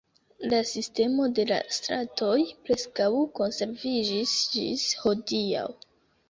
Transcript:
La sistemo de la stratoj preskaŭ konserviĝis ĝis hodiaŭ.